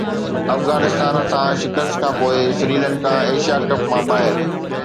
افغانستان هٿان شڪست کانپوءِ سريلنڪا ايشيا ڪپ مان ٻاهر